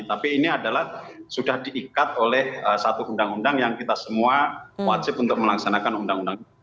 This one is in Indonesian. tapi ini adalah sudah diikat oleh satu undang undang yang kita semua wajib untuk melaksanakan undang undang ini